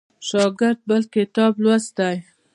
شاګرد بل کتاب لوستی.